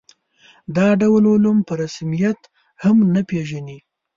دا ډول علوم په رسمیت هم نه پېژني.